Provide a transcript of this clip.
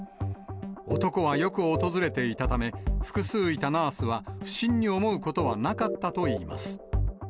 男はよく訪れていたため、複数いたナースは不審に思うことはなかったといいます。